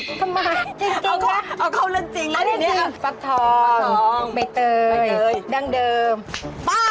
อุ้ยทำไมจริงนะเอาเข้าเรื่องจริงแล้วเนี่ยฟักทองใบเตยด้านเดิมไป